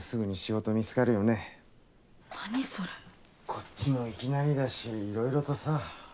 こっちもいきなりだしいろいろとさ。